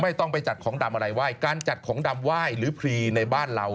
ไม่ต้องไปจัดของดำอะไรไหว้การจัดของดำไหว้หรือพรีในบ้านเรา